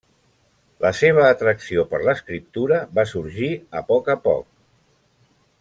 La seva atracció per l'escriptura va sorgir a poc a poc.